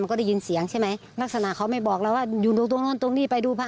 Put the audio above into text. ก็ได้ยินเสียงใช่ไหมลักษณะเขาไม่บอกเราว่าอยู่ตรงนู้นตรงนี้ไปดูพระ